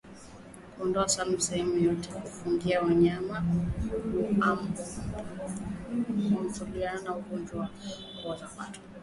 Kuondoa samadi maeneo yote ya kufungia wanyama hukabiliana na ugonjwa wa kuoza kwato